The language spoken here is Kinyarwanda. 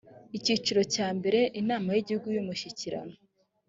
icyiciro cya mbere inamayigihugu yumushyikirano